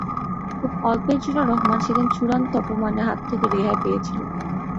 খুব অল্পের জন্য রহমান সেদিন চূড়ান্ত অপমানের হাত থেকে রেহাই পেয়েছিল।